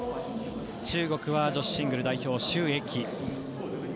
中国は女子シングル代表シュ・エキ。